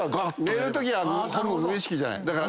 寝るとき無意識じゃない。